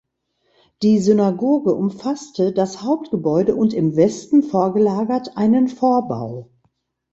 Die Synagoge umfasste das Hauptgebäude und im Westen vorgelagert einen Vorbau.